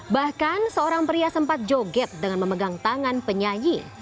bahkan seorang pria sempat joget dengan memegang tangan penyanyi